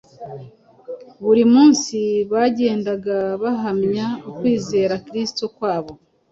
buri munsi bagendaga bahamya ukwizera Kristo kwabo.